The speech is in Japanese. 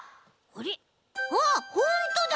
あっほんとだ！